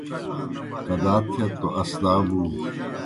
کدا تھیت توْ اج اسدا بُو۔